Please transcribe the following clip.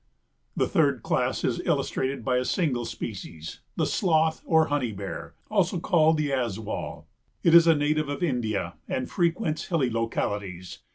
The third class is illustrated by a single species, the Sloth, or Honey Bear, also called the Aswal. It is a native of India and frequents hilly localities.